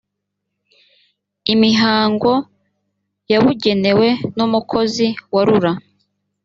imihango yabugenewe n umukozi wa rura